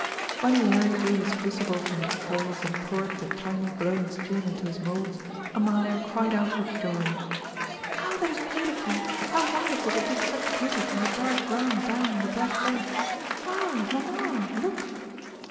When Larry drew his crucible from the coals and poured the tiny glowing stream into his molds, Amalia cried out with joy. "How that is beautiful! How wonderful to dig such beauty from the dark ground down in the black earth! Ah, mamma, look!"